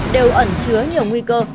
đều ẩn chứa nhiều nguy cơ